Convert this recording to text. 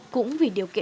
con gì kìa